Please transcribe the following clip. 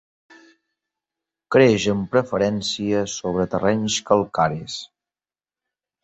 Creix amb preferència sobre terrenys calcaris.